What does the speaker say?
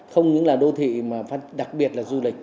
không những là đô thị mà đặc biệt là du lịch